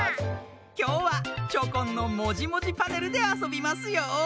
きょうはチョコンの「もじもじパネル」であそびますよ。